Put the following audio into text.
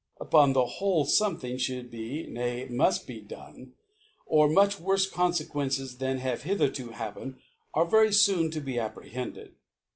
Fragm* Upon ( '99 ) Upon the whole, fomething fliould be, nay muft be done, or much worfc Confe quences than have hitherto happened, arc very foon to be apprehended.